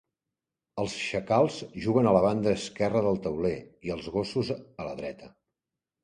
Els xacals juguen a la banda esquerra del tauler i els gossos a la dreta.